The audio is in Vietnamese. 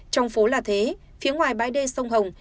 trong phố là thế phía ngoài bãi đê sông hồng